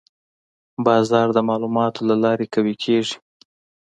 بازار د معلوماتو له لارې قوي کېږي.